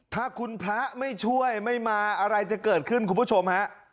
ถ้าคุณพระไม่ช่วยไม่มาอะไรจะเกิดขึ้นคุณผู้ชมฮะ